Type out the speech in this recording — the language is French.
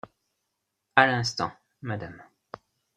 À l’instant, madame.